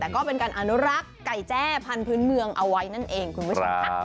แต่ก็เป็นการอนุรักษ์ไก่แจ้พันธุ์เมืองเอาไว้นั่นเองคุณผู้ชมค่ะ